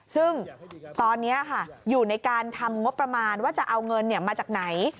ซึ่งตอนนี้อยู่ในการทำงบประมาณว่าจะเอาเงินมาจากไหน